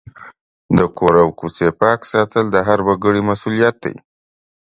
د کور او کوڅې پاک ساتل د هر وګړي مسؤلیت دی.